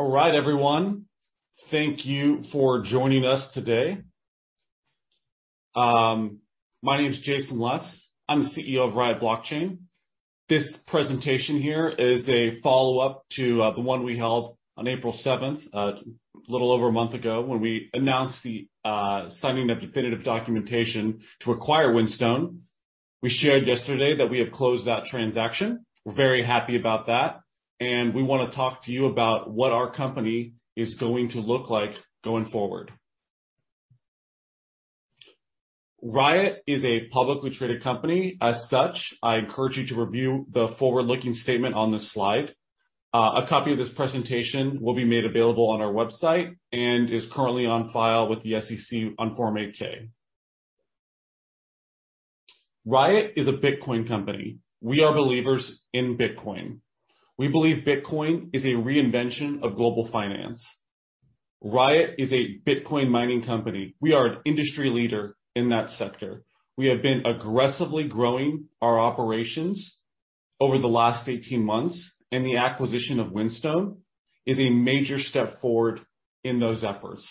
All right, everyone. Thank you for joining us today. My name's Jason Les. I'm the CEO of Riot Platforms. This presentation here is a follow-up to the one we held on April 7th, a little over a month ago, when we announced the signing of definitive documentation to acquire Whinstone. We shared yesterday that we have closed that transaction. We're very happy about that, and we want to talk to you about what our company is going to look like going forward. Riot is a publicly traded company. I encourage you to review the forward-looking statement on this slide. A copy of this presentation will be made available on our website, and is currently on file with the SEC on Form 8-K. Riot is a Bitcoin company. We are believers in Bitcoin. We believe Bitcoin is a reinvention of global finance. Riot is a Bitcoin mining company. We are an industry leader in that sector. We have been aggressively growing our operations over the last 18 months. The acquisition of Whinstone is a major step forward in those efforts.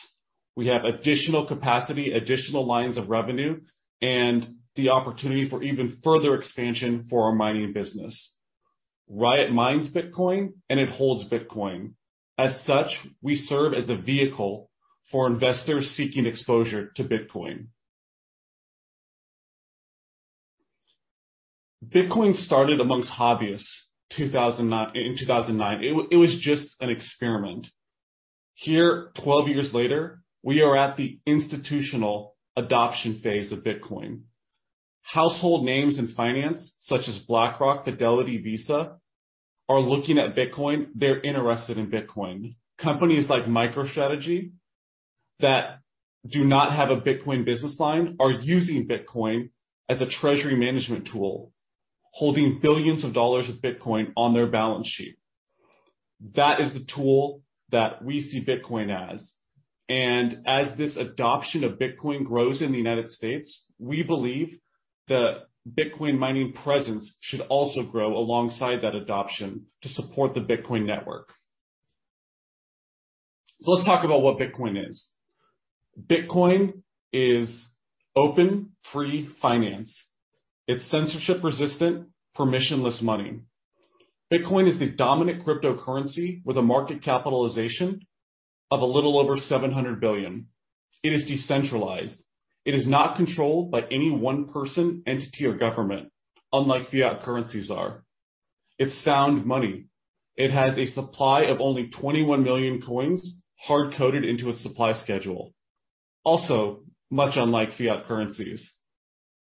We have additional capacity, additional lines of revenue, and the opportunity for even further expansion for our mining business. Riot mines Bitcoin, and it holds Bitcoin. As such, we serve as a vehicle for investors seeking exposure to Bitcoin. Bitcoin started amongst hobbyists in 2009. It was just an experiment. Here, 12 years later, we are at the institutional adoption phase of Bitcoin. Household names in finance, such as BlackRock, Fidelity, Visa, are looking at Bitcoin. They're interested in Bitcoin. Companies like MicroStrategy that do not have a Bitcoin business line are using Bitcoin as a treasury management tool, holding billions of dollars of Bitcoin on their balance sheet. That is the tool that we see Bitcoin as. As this adoption of Bitcoin grows in the United States, we believe that Bitcoin mining presence should also grow alongside that adoption to support the Bitcoin network. Let's talk about what Bitcoin is. Bitcoin is open, free finance. It's censorship-resistant, permissionless money. Bitcoin is the dominant cryptocurrency with a market capitalization of a little over $700 billion. It is decentralized. It is not controlled by any one person, entity, or government, unlike fiat currencies are. It's sound money. It has a supply of only 21 million coins hard-coded into its supply schedule. Also, much unlike fiat currencies.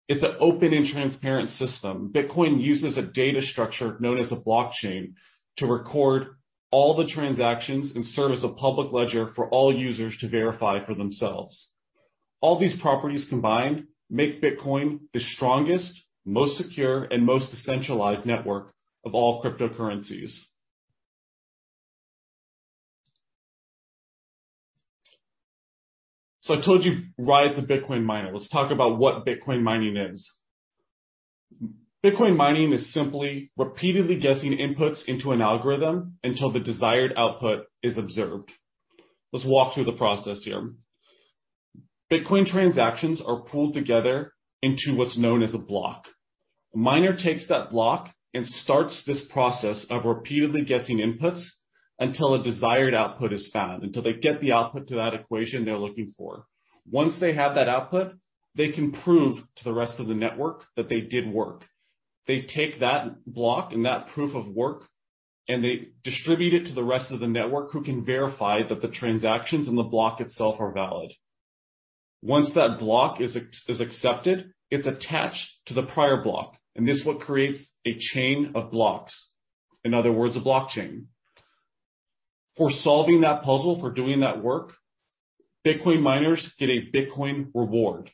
It's an open and transparent system. Bitcoin uses a data structure known as a blockchain to record all the transactions and serve as a public ledger for all users to verify for themselves. All these properties combined make Bitcoin the strongest, most secure, and most decentralized network of all cryptocurrencies. I told you Riot's a Bitcoin miner. Let's talk about what Bitcoin mining is. Bitcoin mining is simply repeatedly guessing inputs into an algorithm until the desired output is observed. Let's walk through the process here. Bitcoin transactions are pooled together into what's known as a block. A miner takes that block and starts this process of repeatedly guessing inputs until a desired output is found, until they get the output to that equation they're looking for. Once they have that output, they can prove to the rest of the network that they did work. They take that block and that proof of work, and they distribute it to the rest of the network who can verify that the transactions on the block itself are valid. Once that block is accepted, it's attached to the prior block, and this is what creates a chain of blocks. In other words, a blockchain. For solving that puzzle, for doing that work, Bitcoin miners get a Bitcoin reward.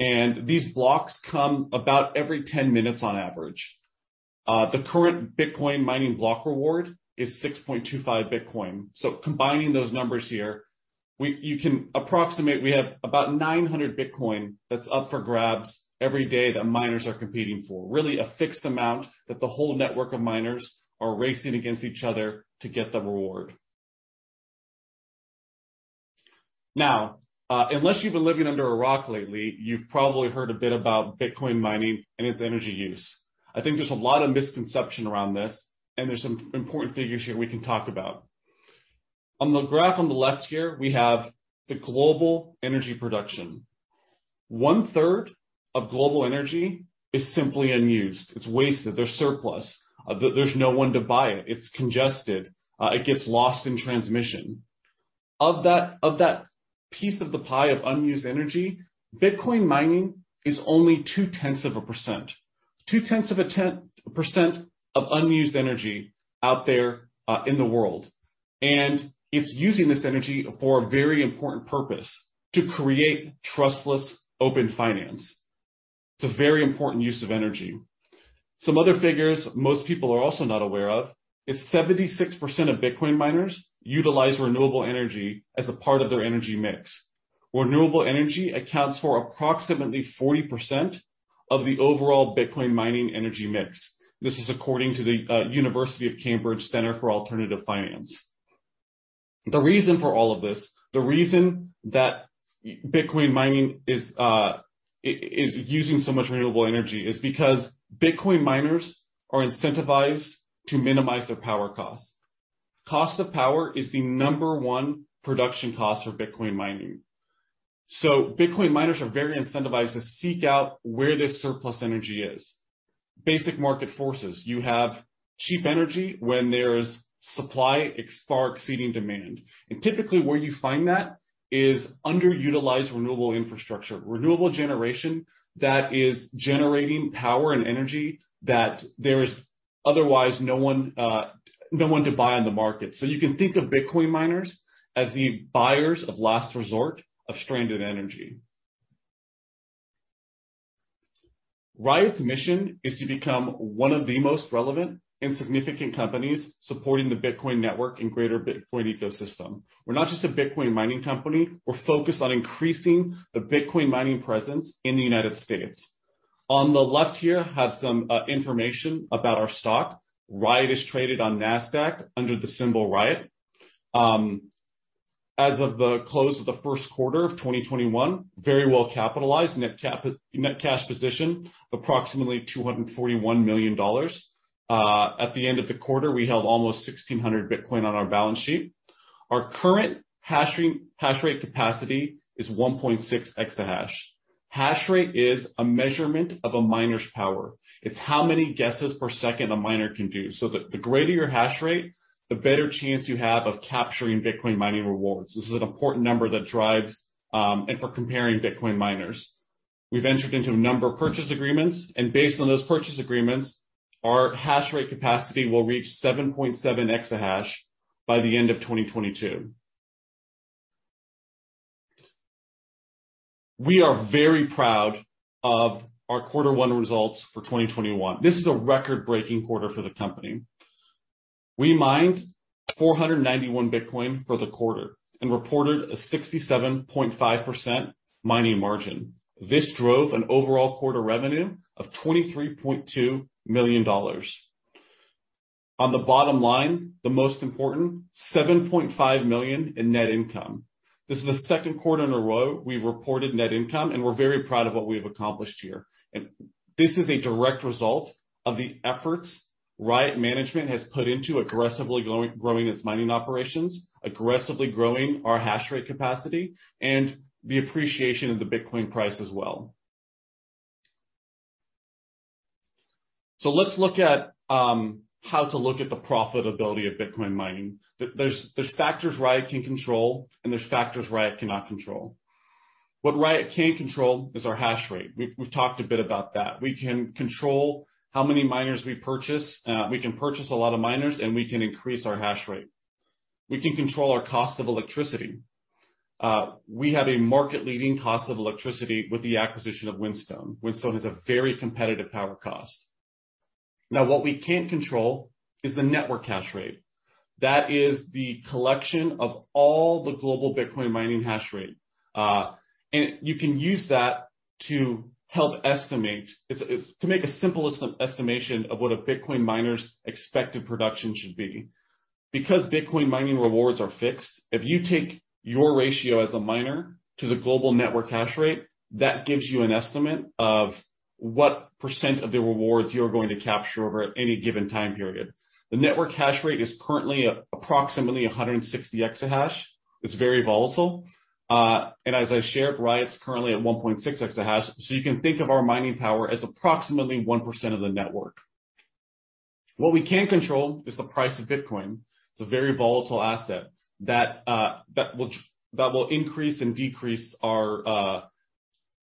These blocks come about every 10 minutes on average. The current Bitcoin mining block reward is 6.25 Bitcoin. Combining those numbers here, you can approximate we have about 900 Bitcoin that's up for grabs every day that miners are competing for. Really a fixed amount that the whole network of miners are racing against each other to get the reward. Unless you've been living under a rock lately, you've probably heard a bit about Bitcoin mining and its energy use. I think there's a lot of misconception around this, and there's some important figures here we can talk about. On the graph on the left here, we have the global energy production. One-third of global energy is simply unused. It's wasted. There's surplus. There's no one to buy it. It's congested. It gets lost in transmission. Of that piece of the pie of unused energy, Bitcoin mining is only 0.2 of a percent. Two-tenths of a percent of unused energy out there in the world. It's using this energy for a very important purpose, to create trustless open finance. It's a very important use of energy. Some other figures most people are also not aware of is 76% of Bitcoin miners utilize renewable energy as a part of their energy mix. Renewable energy accounts for approximately 40% of the overall Bitcoin mining energy mix. This is according to the University of Cambridge Centre for Alternative Finance. The reason for all of this, the reason that Bitcoin mining is using so much renewable energy is because Bitcoin miners are incentivized to minimize their power costs. Cost of power is the number one production cost for Bitcoin mining. Bitcoin miners are very incentivized to seek out where this surplus energy is. Basic market forces. You have cheap energy when there is supply far exceeding demand. Typically where you find that is underutilized renewable infrastructure, renewable generation that is generating power and energy that there is otherwise no one to buy in the market. You can think of Bitcoin miners as the buyers of last resort of stranded energy. Riot's mission is to become one of the most relevant and significant companies supporting the Bitcoin network and greater Bitcoin ecosystem. We're not just a Bitcoin mining company, we're focused on increasing the Bitcoin mining presence in the U.S. On the left here, I have some information about our stock. Riot is traded on Nasdaq under the symbol RIOT. As of the close of the first quarter of 2021, very well-capitalized, net cash position approximately $241 million. At the end of the quarter, we held almost 1,600 Bitcoin on our balance sheet. Our current hash rate capacity is 1.6 exahash. Hash rate is a measurement of a miner's power. It's how many guesses per second a miner can do. The greater your hash rate, the better chance you have of capturing Bitcoin mining rewards. This is an important number that drives if we're comparing Bitcoin miners. We've entered into a number of purchase agreements, and based on those purchase agreements, our hash rate capacity will reach 7.7 exahash by the end of 2022. We are very proud of our quarter one results for 2021. This is a record-breaking quarter for the company. We mined 491 Bitcoin for the quarter and reported a 67.5% mining margin. This drove an overall quarter revenue of $23.2 million. On the bottom line, the most important, $7.5 million in net income. This is the second quarter in a row we've reported net income, and we're very proud of what we've accomplished here. This is a direct result of the efforts Riot management has put into aggressively growing its mining operations, aggressively growing our hash rate capacity, and the appreciation of the Bitcoin price as well. Let's look at how to look at the profitability of Bitcoin mining. There's factors Riot can control, and there's factors Riot cannot control. What Riot can control is our hash rate. We've talked a bit about that. We can control how many miners we purchase. We can purchase a lot of miners, and we can increase our hash rate. We can control our cost of electricity. We have a market-leading cost of electricity with the acquisition of Whinstone. Whinstone has a very competitive power cost. Now, what we can't control is the network hash rate. That is the collection of all the global Bitcoin mining hash rate. You can use that to help estimate, to make a simplest estimation of what a Bitcoin miner's expected production should be. Because Bitcoin mining rewards are fixed, if you take your ratio as a miner to the global network hash rate, that gives you an estimate of what percent of the rewards you are going to capture over any given time period. The network hash rate is currently approximately 160 exahash. It's very volatile. As I shared, Riot's currently at 1.6 exahash. You can think of our mining power as approximately 1% of the network. What we can't control is the price of Bitcoin. It's a very volatile asset that will increase and decrease our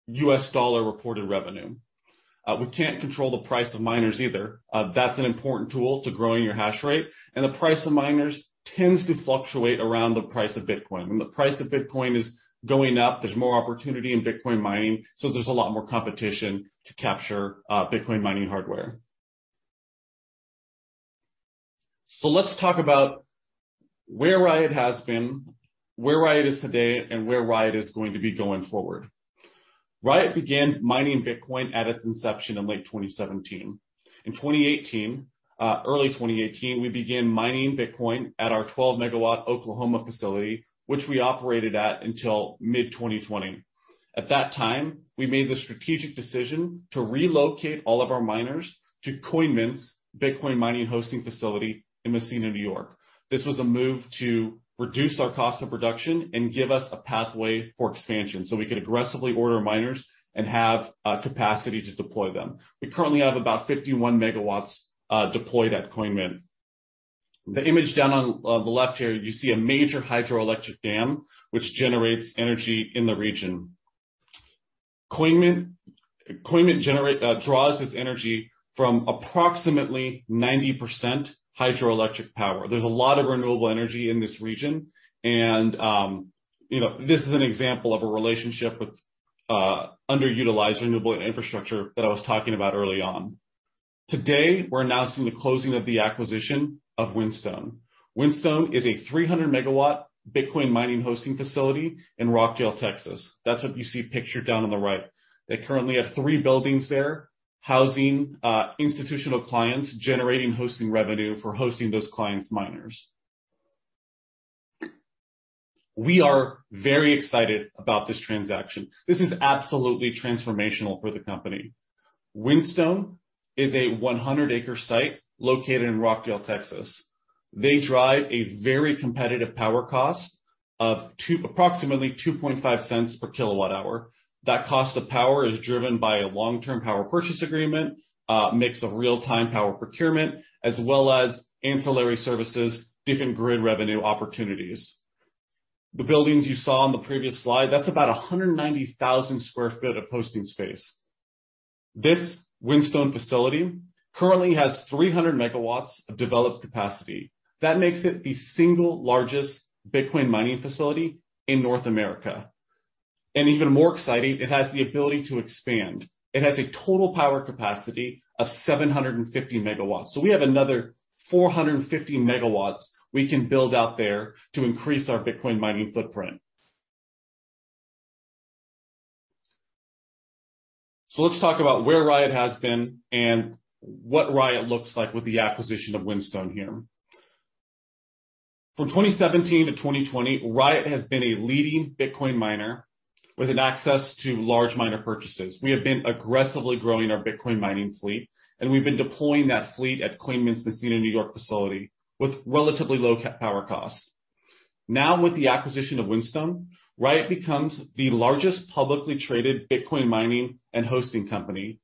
U.S. dollar reported revenue. We can't control the price of miners either. That's an important tool to growing your hash rate. The price of miners tends to fluctuate around the price of Bitcoin. When the price of Bitcoin is going up, there's more opportunity in Bitcoin mining, so there's a lot more competition to capture Bitcoin mining hardware. Let's talk about where Riot has been, where Riot is today, and where Riot is going to be going forward. Riot began mining Bitcoin at its inception in late 2017. In early 2018, we began mining Bitcoin at our 12 MW Oklahoma facility, which we operated at until mid-2020. At that time, we made the strategic decision to relocate all of our miners to Coinmint's Bitcoin mining hosting facility in Massena, New York. This was a move to reduce our cost of production and give us a pathway for expansion so we could aggressively order miners and have capacity to deploy them. We currently have about 51 MW deployed at Coinmint. The image down on the left here, you see a major hydroelectric dam, which generates energy in the region. Coinmint draws its energy from approximately 90% hydroelectric power. There's a lot of renewable energy in this region, and this is an example of a relationship with underutilized renewable infrastructure that I was talking about early on. Today, we're announcing the closing of the acquisition of Whinstone. Whinstone is a 300 MW Bitcoin mining hosting facility in Rockdale, Texas. That's what you see pictured down on the right. They currently have three buildings there, housing institutional clients, generating hosting revenue for hosting those clients' miners. We are very excited about this transaction. This is absolutely transformational for the company. Whinstone is a 100-acre site located in Rockdale, Texas. They drive a very competitive power cost of approximately $0.025/kWh. That cost of power is driven by a long-term power purchase agreement, a mix of real-time power procurement, as well as ancillary services, different grid revenue opportunities. The buildings you saw on the previous slide, that's about 190,000 sq ft of hosting space. This Whinstone facility currently has 300 MW of developed capacity. That makes it the single largest Bitcoin mining facility in North America. Even more exciting, it has the ability to expand. It has a total power capacity of 750 MW. We have another 450 MW we can build out there to increase our Bitcoin mining footprint. Let's talk about where Riot has been and what Riot looks like with the acquisition of Whinstone here. From 2017 to 2020, Riot has been a leading Bitcoin miner with an access to large miner purchases. We have been aggressively growing our Bitcoin mining fleet, and we've been deploying that fleet at Coinmint's Massena, New York facility with relatively low power costs. Now, with the acquisition of Whinstone, Riot becomes the largest publicly traded Bitcoin mining and hosting company,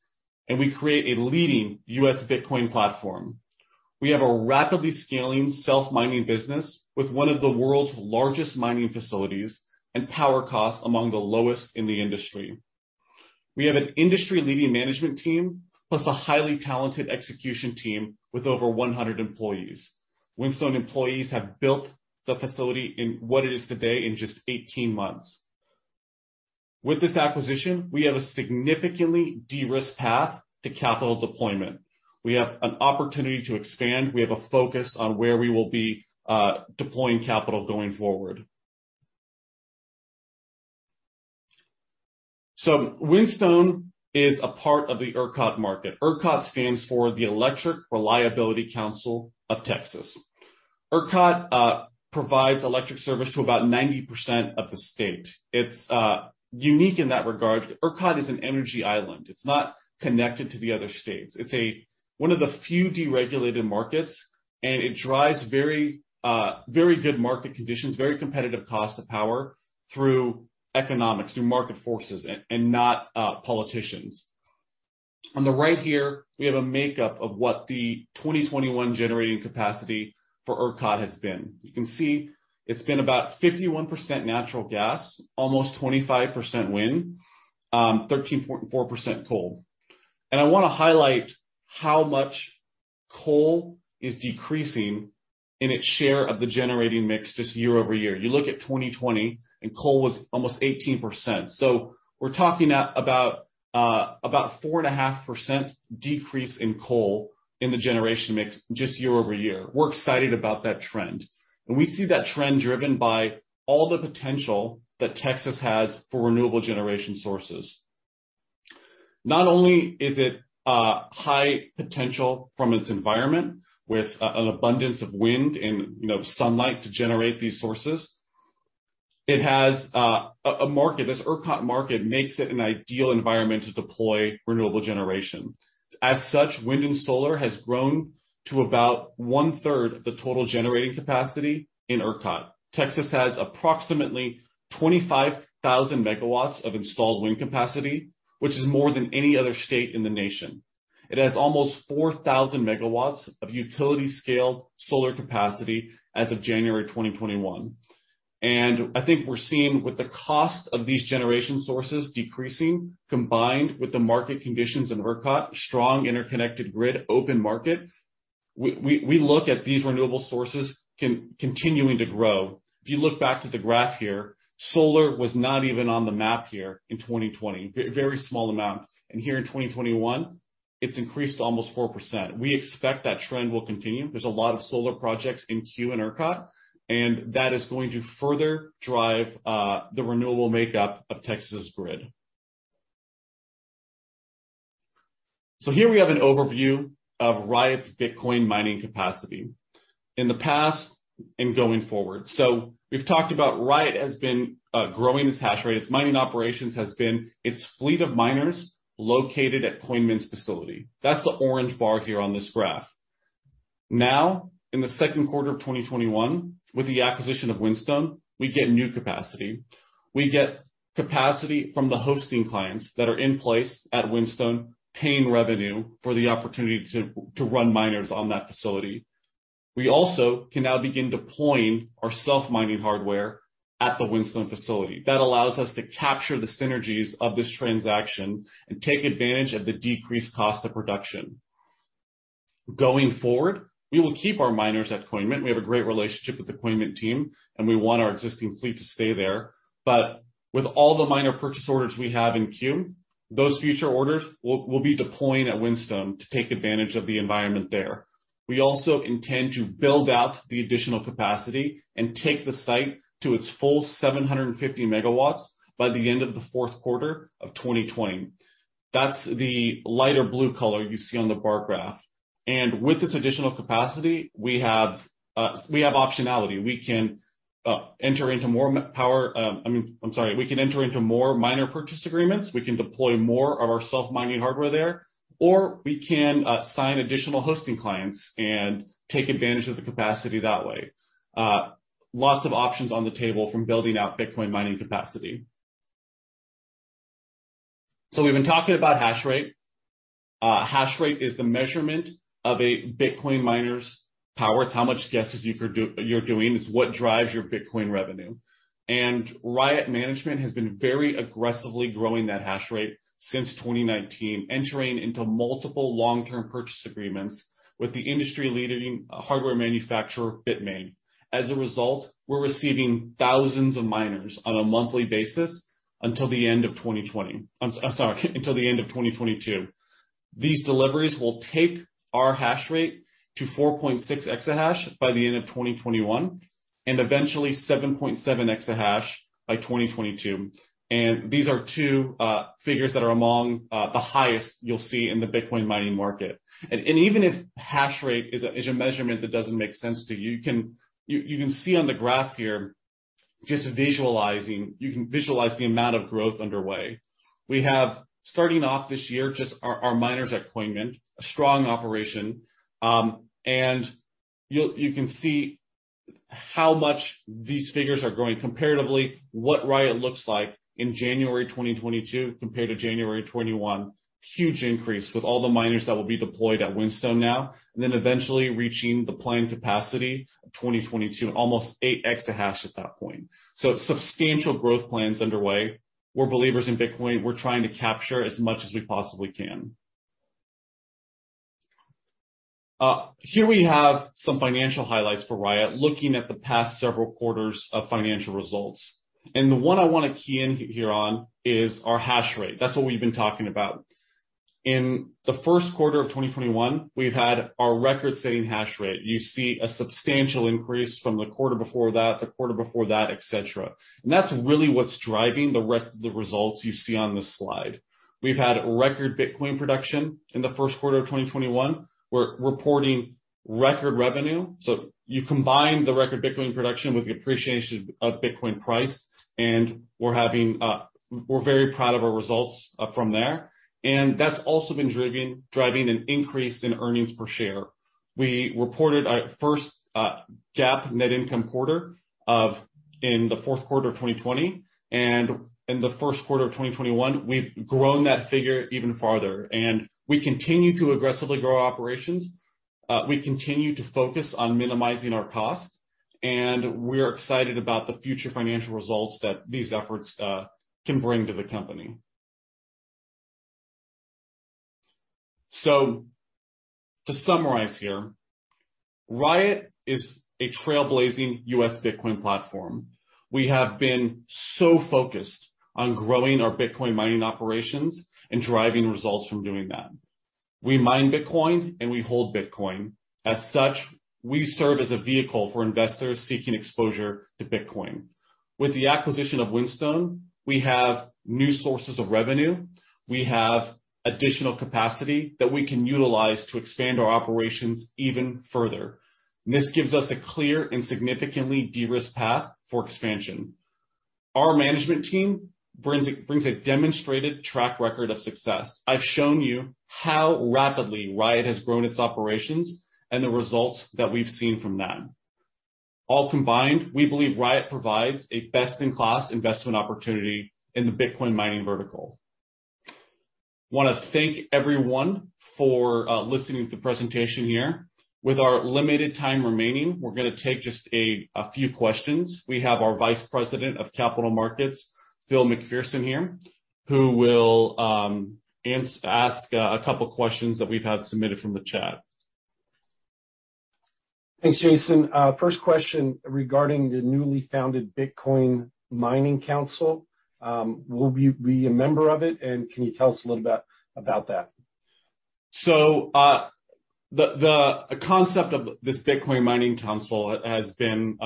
and we create a leading U.S. Bitcoin platform. We have a rapidly scaling self-mining business with one of the world's largest mining facilities and power costs among the lowest in the industry. We have an industry-leading management team, plus a highly talented execution team with over 100 employees. Whinstone employees have built the facility in what it is today in just 18 months. With this acquisition, we have a significantly de-risked path to capital deployment. We have an opportunity to expand. We have a focus on where we will be deploying capital going forward. Whinstone is a part of the ERCOT market. ERCOT stands for the Electric Reliability Council of Texas. ERCOT provides electric service to about 90% of the state. It's unique in that regard. ERCOT is an energy island, it's not connected to the other states. It's one of the few deregulated markets, and it drives very good market conditions, very competitive cost of power through economics, through market forces, and not politicians. On the right here, we have a makeup of what the 2021 generating capacity for ERCOT has been. You can see it's been about 51% natural gas, almost 25% wind, 13.4% coal. I want to highlight how much coal is decreasing in its share of the generating mix just year-over-year. You look at 2020 and coal was almost 18%. We're talking about 4.5% decrease in coal in the generation mix just year-over-year. We're excited about that trend. We see that trend driven by all the potential that Texas has for renewable generation sources. Not only is it high potential from its environment with an abundance of wind and sunlight to generate these sources, it has a market. This ERCOT market makes it an ideal environment to deploy renewable generation. As such, wind and solar has grown to about 1/3 of the total generating capacity in ERCOT. Texas has approximately 25,000 MW of installed wind capacity, which is more than any other state in the nation. It has almost 4,000 MW of utility-scale solar capacity as of January 2021. I think we're seeing with the cost of these generation sources decreasing, combined with the market conditions in ERCOT, strong interconnected grid, open market, we look at these renewable sources continuing to grow. If you look back to the graph here, solar was not even on the map here in 2020. Very small amount. Here in 2021, it's increased to almost 4%. We expect that trend will continue. There's a lot of solar projects in queue in ERCOT, and that is going to further drive the renewable makeup of Texas grid. Here, we have an overview of Riot's Bitcoin mining capacity in the past and going forward. We've talked about Riot has been growing its hash rates. Mining operations has been its fleet of miners located at Coinmint's facility. That's the orange bar here on this graph. Now, in the second quarter of 2021, with the acquisition of Whinstone, we get new capacity. We get capacity from the hosting clients that are in place at Whinstone paying revenue for the opportunity to run miners on that facility. We also can now begin deploying our self-mining hardware at the Whinstone facility. That allows us to capture the synergies of this transaction and take advantage of the decreased cost of production. Going forward, we will keep our miners at Coinmint. We have a great relationship with the Coinmint team, and we want our existing fleet to stay there. With all the miner purchase orders we have in queue, those future orders will be deploying at Whinstone to take advantage of the environment there. We also intend to build out the additional capacity and take the site to its full 750 MW by the end of the fourth quarter of 2020. That's the lighter blue color you see on the bar graph. With its additional capacity, we have optionality. We can enter into more miner purchase agreements. We can deploy more of our self-mining hardware there, or we can sign additional hosting clients and take advantage of the capacity that way. Lots of options on the table from building out Bitcoin mining capacity. We've been talking about hash rate. Hash rate is the measurement of a Bitcoin miner's power. It's how much guesses you're doing. It's what drives your Bitcoin revenue. Riot Management has been very aggressively growing that hash rate since 2019, entering into multiple long-term purchase agreements with the industry-leading hardware manufacturer, Bitmain. As a result, we're receiving thousands of miners on a monthly basis until the end of 2022. These deliveries will take our hash rate to 4.6 exahash by the end of 2021, and eventually 7.7 exahash by 2022. These are two figures that are among the highest you'll see in the Bitcoin mining market. Even if hash rate is a measurement that doesn't make sense to you can see on the graph here, you can visualize the amount of growth underway. We have, starting off this year, just our miners at Coinmint, a strong operation. You can see how much these figures are growing comparatively, what Riot looks like in January 2022 compared to January 2021. Huge increase with all the miners that will be deployed at Whinstone now, eventually reaching deploying capacity of 2022, almost 8 exahash at that point. Substantial growth plans underway. We're believers in Bitcoin, we're trying to capture as much as we possibly can. Here we have some financial highlights for Riot, looking at the past several quarters of financial results. The one I want to key in here on is our hash rate. That's what we've been talking about. In the first quarter of 2021, we've had our record-setting hash rate. You see a substantial increase from the quarter before that, the quarter before that, etc. That's really what's driving the rest of the results you see on this slide. We've had record Bitcoin production in the first quarter of 2021. We're reporting record revenue. You combine the record Bitcoin production with the appreciation of Bitcoin price, and we're very proud of our results from there. That's also been driving an increase in earnings per share. We reported our first GAAP net income quarter in the fourth quarter of 2020, and in the first quarter of 2021, we've grown that figure even farther. We continue to aggressively grow operations. We continue to focus on minimizing our costs, and we're excited about the future financial results that these efforts can bring to the company. To summarize here, Riot is a trailblazing U.S. Bitcoin platform. We have been so focused on growing our Bitcoin mining operations and driving results from doing that. We mine Bitcoin, and we hold Bitcoin. As such, we serve as a vehicle for investors seeking exposure to Bitcoin. With the acquisition of Whinstone, we have new sources of revenue. We have additional capacity that we can utilize to expand our operations even further. This gives us a clear and significantly de-risked path for expansion. Our management team brings a demonstrated track record of success. I've shown you how rapidly Riot has grown its operations and the results that we've seen from them. All combined, we believe Riot provides a best-in-class investment opportunity in the Bitcoin mining vertical. Want to thank everyone for listening to the presentation here. With our limited time remaining, we're going to take just a few questions. We have our Vice President of Capital Markets, Phil McPherson here, who will ask a couple questions that we've had submitted from the chat. Thanks, Jason. First question regarding the newly founded Bitcoin Mining Council. Will you be a member of it, and can you tell us a little about that? The concept of this Bitcoin Mining Council has been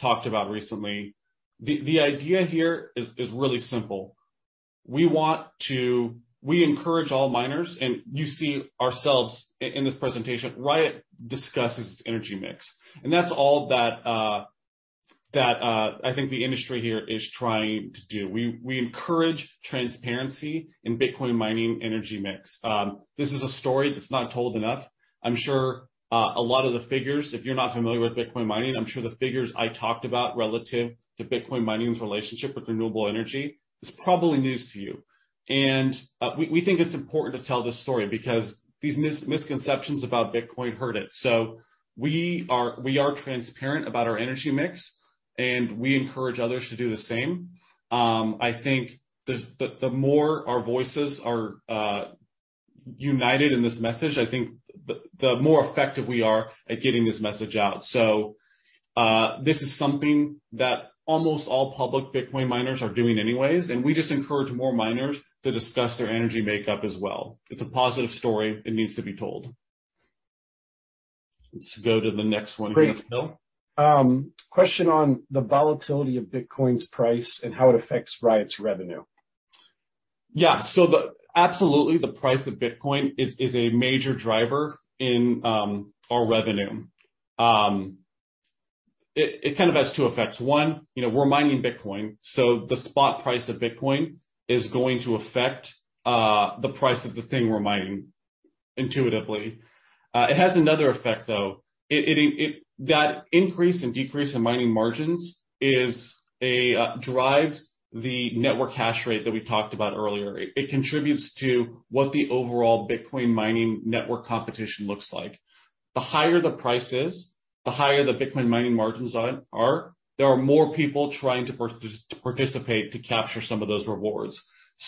talked about recently. The idea here is really simple. We encourage all miners, and you see ourselves in this presentation. Riot discusses its energy mix. That's all that I think the industry here is trying to do. We encourage transparency in Bitcoin mining energy mix. This is a story that's not told enough. If you're not familiar with Bitcoin mining, I'm sure the figures I talked about relative to Bitcoin mining's relationship with renewable energy is probably news to you. We think it's important to tell the story because these misconceptions about Bitcoin hurt it. We are transparent about our energy mix. We encourage others to do the same. I think the more our voices are united in this message, I think the more effective we are at getting this message out. This is something that almost all public Bitcoin miners are doing anyways. We just encourage more miners to discuss their energy makeup as well. It's a positive story. It needs to be told. Let's go to the next one, Phil. Great. Question on the volatility of Bitcoin's price and how it affects Riot's revenue. Yeah. Absolutely, the price of Bitcoin is a major driver in our revenue. It kind of has two effects. One, we're mining Bitcoin, so the spot price of Bitcoin is going to affect the price of the thing we're mining intuitively. It has another effect, though. That increase and decrease in mining margins drives the network hash rate that we talked about earlier. It contributes to what the overall Bitcoin mining network competition looks like. The higher the price is, the higher the Bitcoin mining margins are. There are more people trying to participate to capture some of those rewards.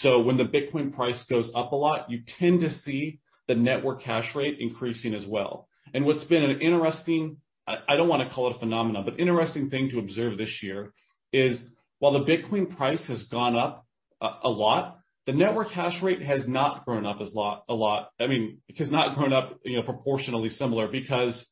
When the Bitcoin price goes up a lot, you tend to see the network hash rate increasing as well. What's been an interesting, I don't want to call it phenomenon, but interesting thing to observe this year is while the Bitcoin price has gone up a lot, the network hash rate has not grown up a lot. I mean, it has not grown up proportionally similar because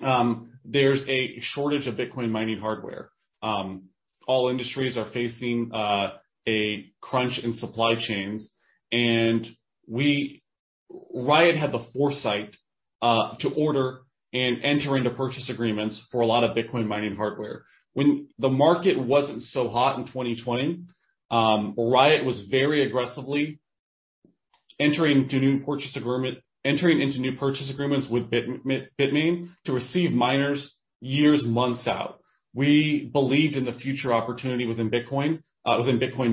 there's a shortage of Bitcoin mining hardware. All industries are facing a crunch in supply chains, and Riot had the foresight to order and enter into purchase agreements for a lot of Bitcoin mining hardware. When the market wasn't so hot in 2020, Riot was very aggressively entering into new purchase agreements with Bitmain to receive miners years, months out. We believed in the future opportunity within Bitcoin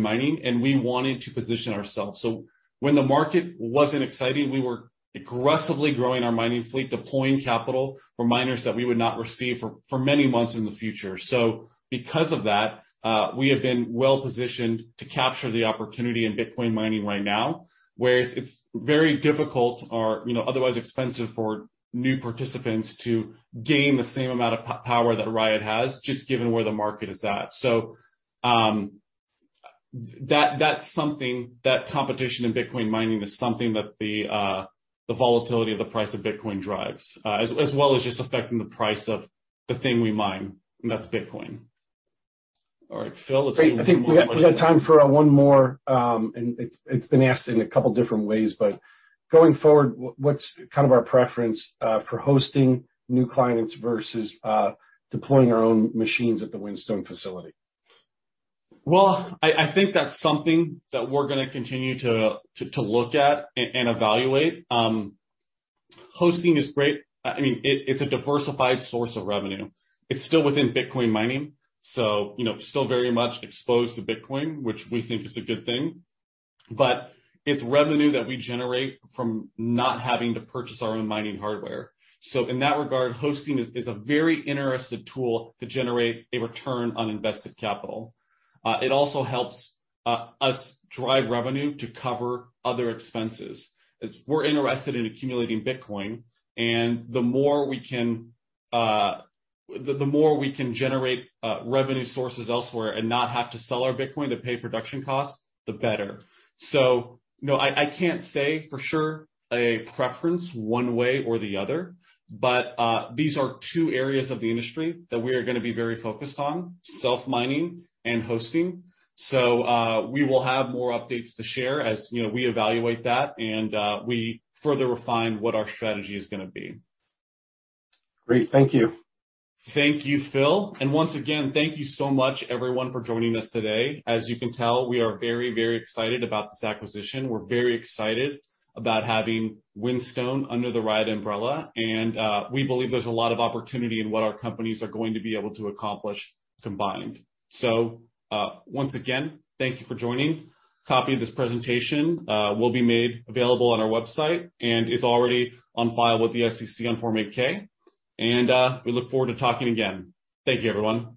mining, and we wanted to position ourselves. When the market wasn't exciting, we were aggressively growing our mining fleet, deploying capital for miners that we would not receive for many months in the future. Because of that, we have been well-positioned to capture the opportunity in Bitcoin mining right now, whereas it's very difficult or otherwise expensive for new participants to gain the same amount of power that Riot has, just given where the market is at. That competition in Bitcoin mining is something that the volatility of the price of Bitcoin drives, as well as just affecting the price of the thing we mine, and that's Bitcoin. Great. I think we have time for one more, and it's been asked in a couple different ways, but going forward, what's kind of our preference for hosting new clients versus deploying our own machines at the Whinstone facility? I think that's something that we're going to continue to look at and evaluate. Hosting is great. It's a diversified source of revenue. It's still within Bitcoin mining, so still very much exposed to Bitcoin, which we think is a good thing, but it's revenue that we generate from not having to purchase our own mining hardware. In that regard, hosting is a very interesting tool to generate a return on invested capital. It also helps us drive revenue to cover other expenses, as we're interested in accumulating Bitcoin, and the more we can generate revenue sources elsewhere and not have to sell our Bitcoin to pay production costs, the better. I can't say for sure a preference one way or the other, but these are two areas of the industry that we are going to be very focused on, self-mining and hosting. We will have more updates to share as we evaluate that and we further refine what our strategy is going to be. Great, thank you. Thank you, Phil. Once again, thank you so much, everyone, for joining us today. As you can tell, we are very, very excited about this acquisition. We're very excited about having Whinstone under the Riot umbrella, and we believe there's a lot of opportunity in what our companies are going to be able to accomplish combined. Once again, thank you for joining. A copy of this presentation will be made available on our website, and it's already on file with the SEC on Form 8-K. We look forward to talking again. Thank you, everyone.